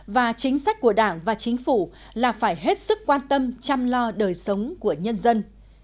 và chính sách của đảng và chính phủ là phải hết sức quan tâm chăm lo đời sống của nhân dân